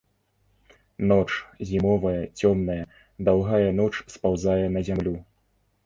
Ноч, зімовая, цёмная, даўгая ноч спаўзае на зямлю.